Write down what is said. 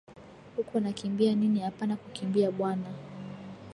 Uko nakimbia nini apana kukimbia bwana